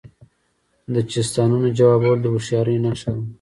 د چیستانونو ځوابول د هوښیارۍ نښه ده.